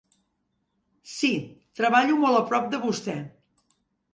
Sí, treballo molt a prop de vostè.